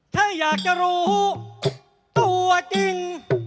ถ้าอยากจะรู้ตัวจริง